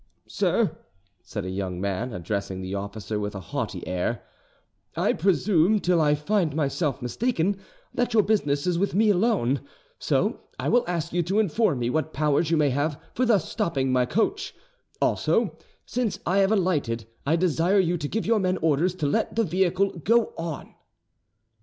"Sir," said the young man, addressing the officer with a haughty air, "I presume, till I find myself mistaken, that your business is with me alone; so I will ask you to inform me what powers you may have for thus stopping my coach; also, since I have alighted, I desire you to give your men orders to let the vehicle go on."